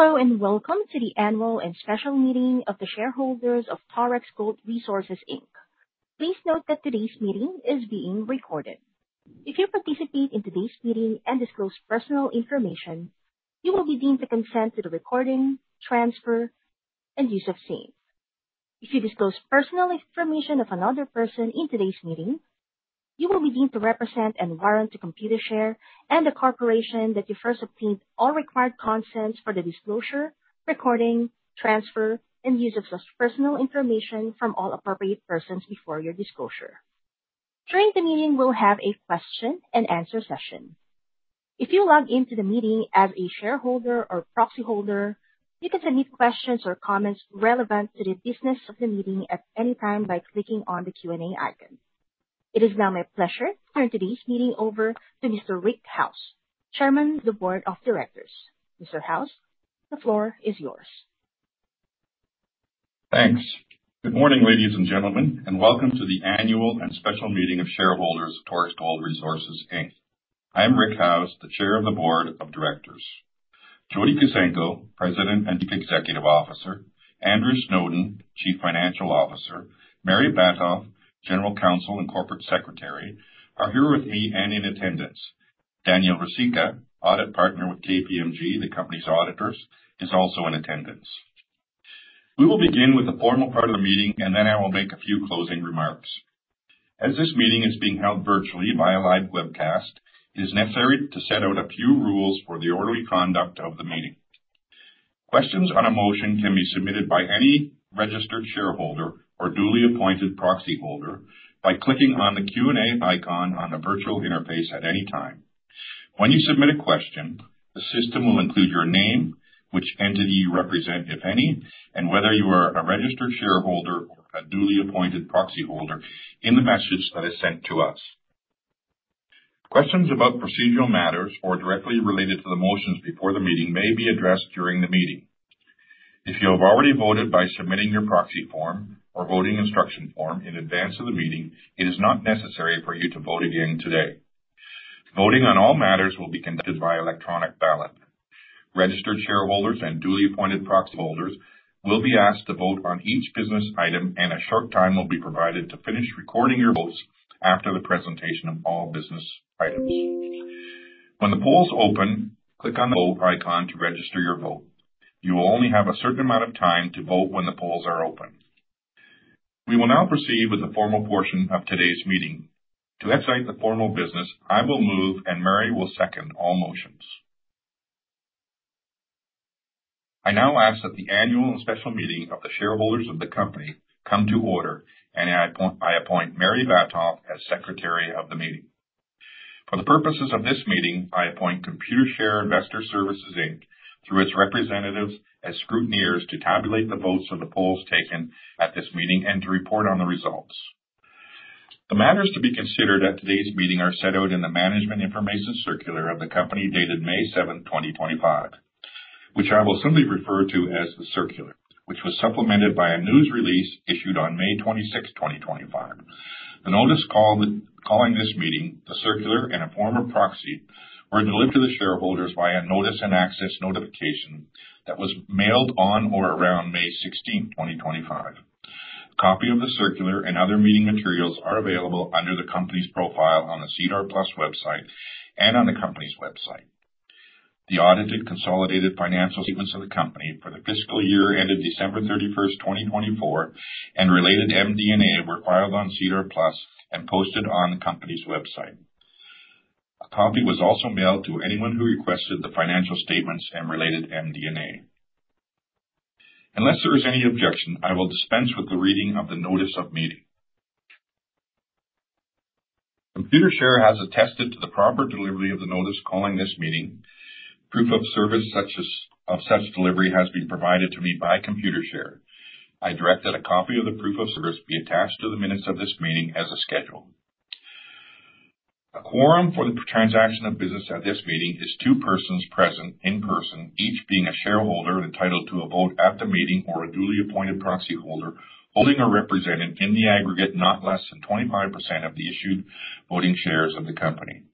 Hello, and welcome to the annual and special meeting of the shareholders of Torex Gold Resources Inc. Please note that today's meeting is being recorded. If you participate in today's meeting and disclose personal information, you will be deemed to consent to the recording, transfer, and use of same. If you disclose personal information of another person in today's meeting, you will be deemed to represent and warrant to Computershare and the corporation that you first obtained all required consents for the disclosure, recording, transfer, and use of such personal information from all appropriate persons before your disclosure. During the meeting, we'll have a question and answer session. If you log into the meeting as a shareholder or proxy holder, you can submit questions or comments relevant to the business of the meeting at any time by clicking on the Q&A icon. It is now my pleasure to turn today's meeting over to Mr. Rick Howes, Chairman of the Board of Directors. Mr. Howes, the floor is yours. Thanks. Good morning, ladies and gentlemen, and welcome to the annual and special meeting of shareholders of Torex Gold Resources Inc. I'm Rick Howes, the Chair of the Board of Directors. Jody Kuzenko, President and Executive Officer, Andrew Snowden, Chief Financial Officer, Mary Batoff, General Counsel and Corporate Secretary, are here with me and in attendance. Daniel Rusinka, Audit Partner with KPMG, the company's auditors, is also in attendance. We will begin with the formal part of the meeting, and then I will make a few closing remarks. As this meeting is being held virtually via live webcast, it is necessary to set out a few rules for the orderly conduct of the meeting. Questions on a motion can be submitted by any registered shareholder or duly appointed proxy holder by clicking on the Q&A icon on the virtual interface at any time. When you submit a question, the system will include your name, which entity you represent, if any, and whether you are a registered shareholder or a duly appointed proxy holder in the message that is sent to us. Questions about procedural matters or directly related to the motions before the meeting may be addressed during the meeting. If you have already voted by submitting your proxy form or voting instruction form in advance of the meeting, it is not necessary for you to vote again today. Voting on all matters will be conducted via electronic ballot. Registered shareholders and duly appointed proxy holders will be asked to vote on each business item, and a short time will be provided to finish recording your votes after the presentation of all business items. When the polls open, click on the vote icon to register your vote. You will only have a certain amount of time to vote when the polls are open. We will now proceed with the formal portion of today's meeting. To conduct the formal business, I will move and Mary will second all motions. I now ask that the annual and special meeting of the shareholders of the company come to order, and I appoint Mary Batoff as Secretary of the meeting. For the purposes of this meeting, I appoint Computershare Investor Services Inc, through its representatives as scrutineers to tabulate the votes of the polls taken at this meeting and to report on the results. The matters to be considered at today's meeting are set out in the Management Information Circular of the company dated May 7th, 2025, which I will simply refer to as the circular, which was supplemented by a news release issued on May 26, 2025. The notice calling this meeting, the circular, and a form of proxy were delivered to the shareholders via notice and access notification that was mailed on or around May 16, 2025. A copy of the circular and other meeting materials are available under the company's profile on the SEDAR+ website and on the company's website. The audited consolidated financial statements of the company for the fiscal year ended December 31st, 2024 and related MD&A were filed on SEDAR+ and posted on the company's website. A copy was also mailed to anyone who requested the financial statements and related MD&A. Unless there is any objection, I will dispense with the reading of the notice of meeting. Computershare has attested to the proper delivery of the notice calling this meeting. Proof of service of such delivery has been provided to me by Computershare. I direct that a copy of the proof of service be attached to the minutes of this meeting as a schedule. A quorum for the transaction of business at this meeting is two persons present in person, each being a shareholder entitled to a vote at the meeting or a duly appointed proxy holder holding or represented in the aggregate not less than 25% of the issued voting shares of the company.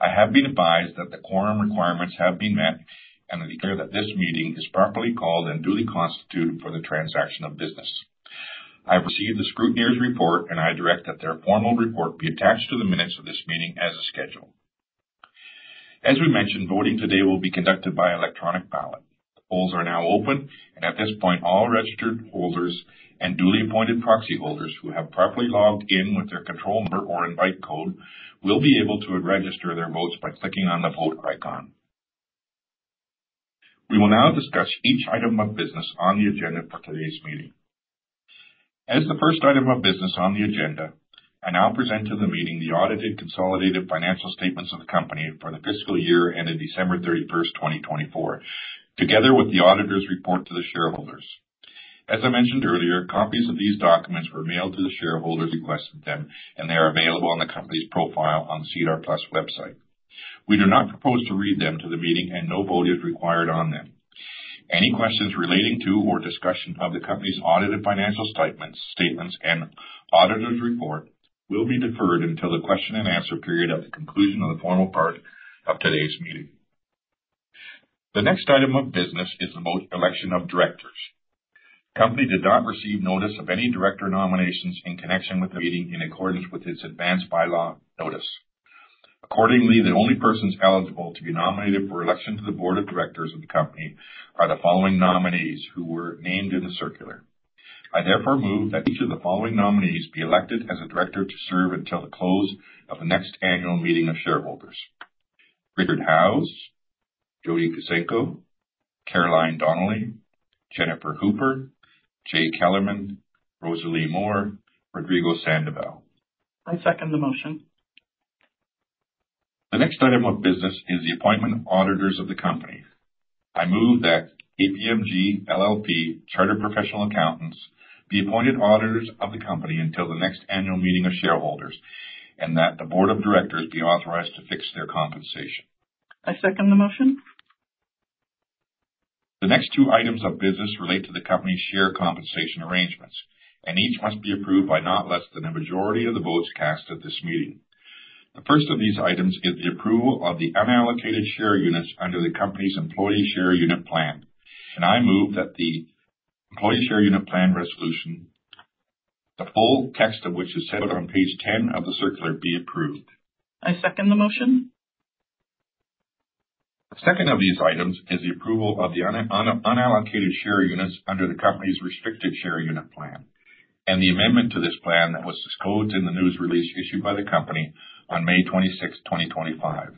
I have been advised that the quorum requirements have been met, and I declare that this meeting is properly called and duly constituted for the transaction of business. I have received the scrutineer's report, and I direct that their formal report be attached to the minutes of this meeting as a schedule. As we mentioned, voting today will be conducted by electronic ballot. The polls are now open, and at this point, all registered holders and duly appointed proxy holders who have properly logged in with their control number or invite code will be able to register their votes by clicking on the vote icon. We will now discuss each item of business on the agenda for today's meeting. As the first item of business on the agenda, I now present to the meeting the audited consolidated financial statements of the company for the fiscal year ended December 31st, 2024, together with the auditor's report to the shareholders. As I mentioned earlier, copies of these documents were mailed to the shareholders who requested them, and they are available on the company's profile on the SEDAR+ website. We do not propose to read them to the meeting and no vote is required on them. Any questions relating to or discussion of the company's audited financial statements and auditor's report will be deferred until the question and answer period at the conclusion of the formal part of today's meeting. The next item of business is the election of directors. The company did not receive notice of any director nominations in connection with the meeting in accordance with its advance bylaw notice. Accordingly, the only persons eligible to be nominated for election to the board of directors of the company are the following nominees who were named in the circular. I therefore move that each of the following nominees be elected as a director to serve until the close of the next annual meeting of shareholders. Rick Howes, Jody Kuzenko, Caroline Donally, Jennifer Hooper, Jay Kellerman, Rosie Moore, Rodrigo Sandoval. I second the motion. The next item of business is the appointment of auditors of the company. I move that KPMG LLP, chartered professional accountants, be appointed auditors of the company until the next annual meeting of shareholders, and that the board of directors be authorized to fix their compensation. I second the motion. The next two items of business relate to the company's share compensation arrangements, and each must be approved by not less than a majority of the votes cast at this meeting. The first of these items is the approval of the unallocated share units under the company's employee share unit plan. I move that the employee share unit plan resolution, the full text of which is set out on page 10 of the circular, be approved. I second the motion. The second of these items is the approval of the unallocated share units under the company's restricted share unit plan, and the amendment to this plan that was disclosed in the news release issued by the company on May 26, 2025.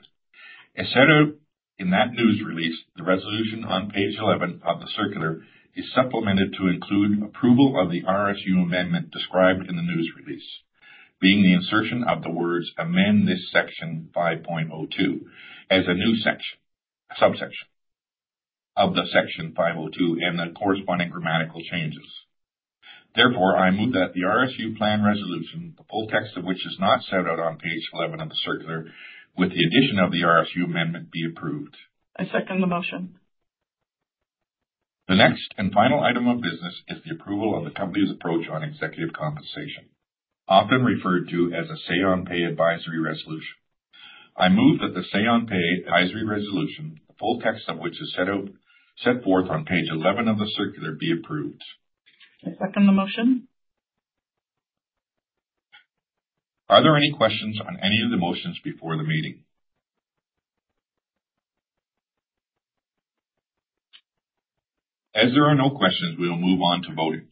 As set out in that news release, the resolution on page 11 of the circular is supplemented to include approval of the RSU amendment described in the news release, being the insertion of the words "amend this section 5.02" as a new subsection of the section 5.02 and the corresponding grammatical changes. Therefore, I move that the RSU plan resolution, the full text of which is not set out on page 11 of the circular with the addition of the RSU amendment, be approved. I second the motion. The next and final item of business is the approval of the company's approach on executive compensation, often referred to as a Say on Pay advisory resolution. I move that the Say on Pay advisory resolution, the full text of which is set forth on page 11 of the circular, be approved. I second the motion. Are there any questions on any of the motions before the meeting? As there are no questions, we will move on to voting.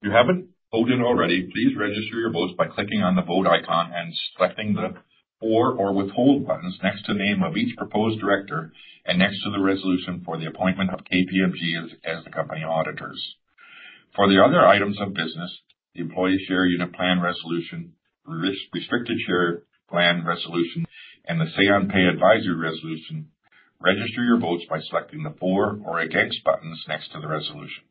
If you haven't voted already, please register your votes by clicking on the vote icon and selecting the for or withhold buttons next to the name of each proposed director and next to the resolution for the appointment of KPMG as the company auditors. For the other items of business, the employee share unit plan resolution, restricted share plan resolution, and the Say on Pay advisory resolution, register your votes by selecting the for or against buttons next to the resolution.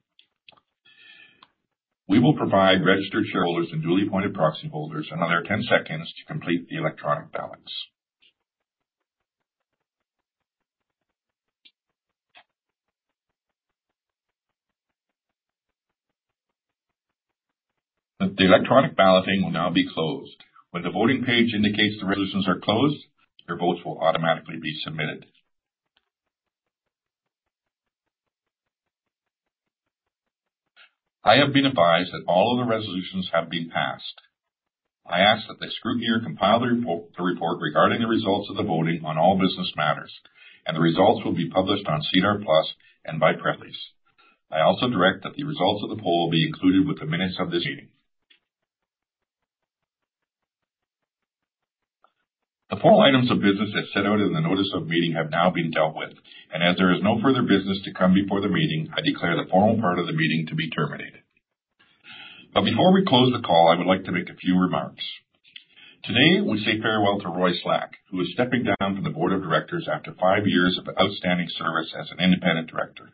We will provide registered shareholders and duly appointed proxy holders another 10 seconds to complete the electronic ballots. The electronic balloting will now be closed. When the voting page indicates the resolutions are closed, your votes will automatically be submitted. I have been advised that all of the resolutions have been passed. I ask that the scrutineer compile the report regarding the results of the voting on all business matters, and the results will be published on SEDAR+ and by press release. I also direct that the results of the poll be included with the minutes of this meeting. The four items of business as set out in the notice of meeting have now been dealt with, and as there is no further business to come before the meeting, I declare the formal part of the meeting to be terminated. Before we close the call, I would like to make a few remarks. Today, we say farewell to Roy Slack, who is stepping down from the board of directors after five years of outstanding service as an independent director,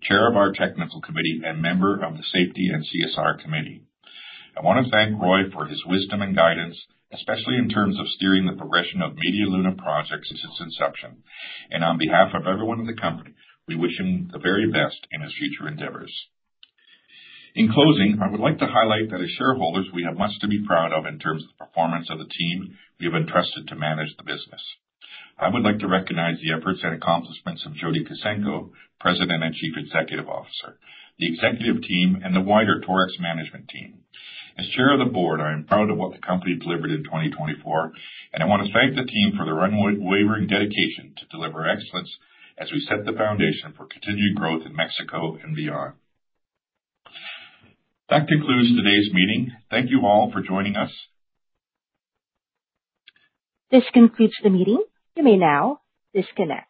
chair of our technical committee, and member of the Safety and CSR committee. I want to thank Roy for his wisdom and guidance, especially in terms of steering the progression of Media Luna projects since its inception. On behalf of everyone in the company, we wish him the very best in his future endeavors. In closing, I would like to highlight that as shareholders, we have much to be proud of in terms of the performance of the team we have entrusted to manage the business. I would like to recognize the efforts and accomplishments of Jody Kuzenko, President and Chief Executive Officer, the executive team, and the wider Torex management team. As Chair of the Board, I am proud of what the company delivered in 2024, and I want to thank the team for their unwavering dedication to deliver excellence as we set the foundation for continued growth in Mexico and beyond. That concludes today's meeting. Thank you all for joining us. This concludes the meeting. You may now disconnect.